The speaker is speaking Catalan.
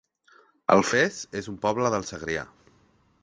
Alfés es un poble del Segrià